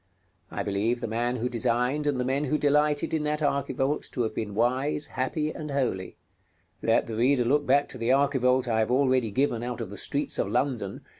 I believe the man who designed and the men who delighted in that archivolt to have been wise, happy, and holy. Let the reader look back to the archivolt I have already given out of the streets of London (Plate XIII. Vol.